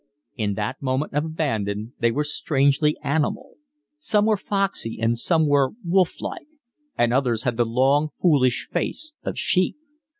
In that moment of abandon they were strangely animal: some were foxy and some were wolf like; and others had the long, foolish face of sheep.